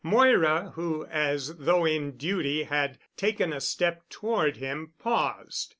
Moira, who, as though in duty, had taken a step toward him, paused.